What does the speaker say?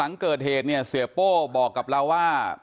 หลังเกิดเหตุเนี่ยเสียโป้บอกกับเราว่า